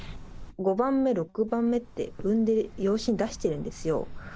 ５番目、６番目って産んで、養子に出してるんですよ。